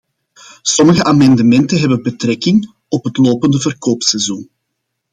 Sommige amendementen hebben betrekking op het lopende verkoopseizoen.